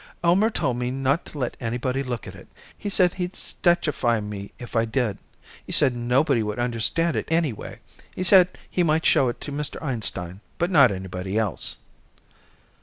"Elmer told me not to let anybody look at it. He said he'd statuefy me if I did. He said nobody would understand it anyway. He said he might show it to Mr. Einstein, but not anybody else."